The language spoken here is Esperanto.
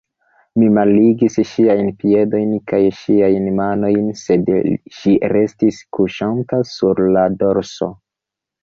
Mi malligis ŝiajn piedojn kaj ŝiajn manojn, sed ŝi restis kuŝanta sur la dorso.